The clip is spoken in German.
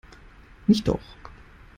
Nicht doch!